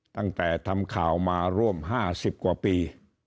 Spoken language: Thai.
ตั้งแต่ทำข่าวมาร่วม๕๐กว่าปี